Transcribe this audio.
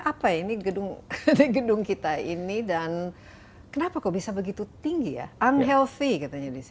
apa ini gedung gedung kita ini dan kenapa kok bisa begitu tinggi ya unhealthy katanya disini